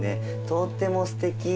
とってもすてき。